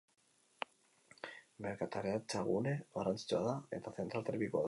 Merkataritzagune garrantzitsua da, eta zentral termikoa du.